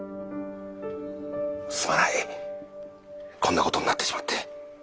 すまないこんなことになってしまって。